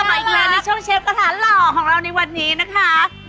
มาอีกแล้วในช่วงเชฟอาหารหล่อของเราในวันนี้นะคะ